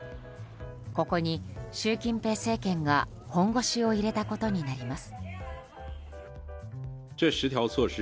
ここに習近平政権が本腰を入れたことになります。